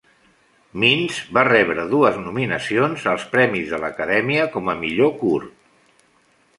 Mintz va rebre dues nominacions als Premis de l'Acadèmia com a Millor Curt.